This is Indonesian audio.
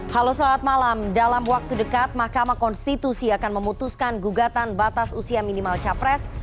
halo selamat malam dalam waktu dekat mahkamah konstitusi akan memutuskan gugatan batas usia minimal capres